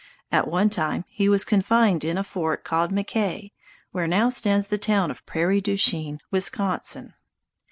At one time he was confined in a fort called McKay, where now stands the town of Prairie du Chien, Wisconsin.